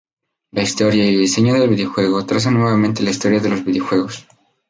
La historia y el diseño del videojuego trazan nuevamente la historia de los videojuegos.